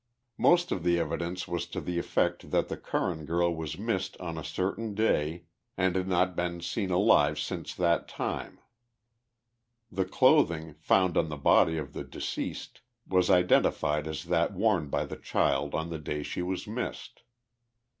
Most of the evidence was to the effect that the Curran girl was missed on a certain day and had not been seen alive since 41 TIIE LIFE OF JESSE IIAEDIXG POME HOY. that time. The clothing, found on the body of the deceased, was identified as that worn by the child on the day she was missed.